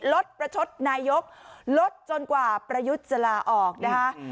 ประชดนายกลดจนกว่าประยุทธ์จะลาออกนะคะ